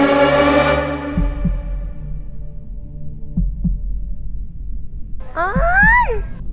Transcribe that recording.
เดินไป